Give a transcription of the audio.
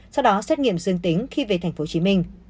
sau đó xét nghiệm dương tính khi về tp hcm